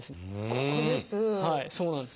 ここです。